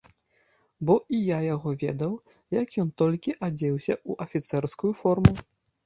Бо і я яго ведаў, як ён толькі адзеўся ў афіцэрскую форму.